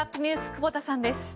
久保田さんです。